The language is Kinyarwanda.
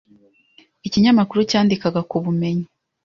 ikinyamakuru cyandikaga ku bumenyi